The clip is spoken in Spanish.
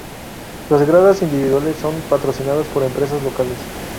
Las gradas individuales son patrocinadas por empresas locales.